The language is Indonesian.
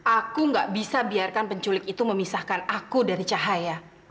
aku gak bisa biarkan penculik itu memisahkan aku dari cahaya